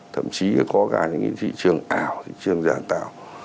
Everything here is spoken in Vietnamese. thậm chí có cả những cái thị trường ảo thị trường giản tạo